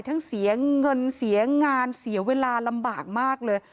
เสียเงินเสียงานเสียเวลาลำบากมากเลย